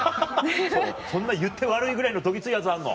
そんな言って悪いぐらいのどぎついやつあんの？